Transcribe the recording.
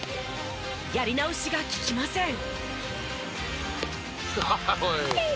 やり直しがききません。